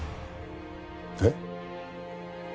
えっ？